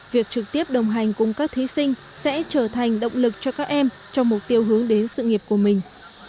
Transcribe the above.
việc trực tiếp đồng hành cùng các thí sinh sẽ trở thành động lực cho các em trong mục tiêu hướng đến sự nghiệp của mình